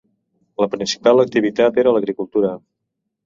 La principal activitat era l'agricultura.